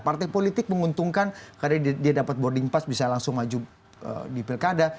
partai politik menguntungkan karena dia dapat boarding pass bisa langsung maju di pilkada